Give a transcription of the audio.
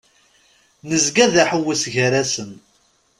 Nezga d aḥewwes gar-asen.